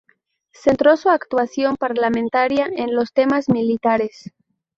Centró su actuación parlamentaria en los temas militares.